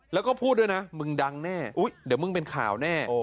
แล้วก็พูดด้วยนะมึงดังแน่อุ๊ยเดี๋ยวมึงเป็นข่าวแน่